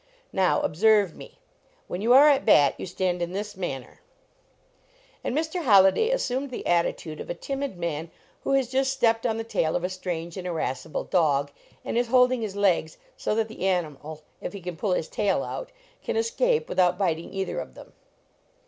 Now, observe me; when you are at bat you stand in this manner." And Mr. Holliday assumed the attitude of a timid man who has just stepped on the tail of a strange and irascible dog, and is holding his legs so that the animal, if he can pull his tail out, can escape without biting either of them.